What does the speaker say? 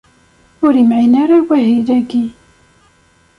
Ur imɛin ara wahil-agi.